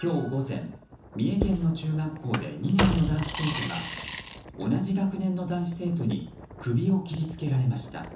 今日午前、三重県の中学校で２年の男子生徒が同じ学年の男子生徒に首を切り付けられました。